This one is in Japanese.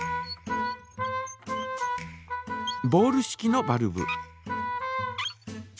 ボール式のバルブ。